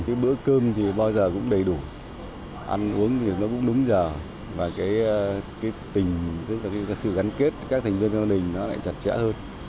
cái bữa cơm thì bao giờ cũng đầy đủ ăn uống thì nó cũng đúng giờ và cái tình tức là cái sự gắn kết các thành viên gia đình nó lại chặt chẽ hơn